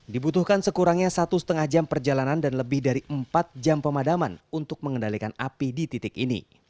dibutuhkan sekurangnya satu lima jam perjalanan dan lebih dari empat jam pemadaman untuk mengendalikan api di titik ini